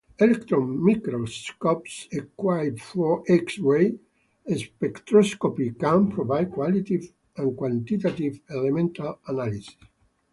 Electron microscopes equipped for X-ray spectroscopy can provide qualitative and quantitative elemental analysis.